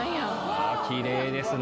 わあきれいですね。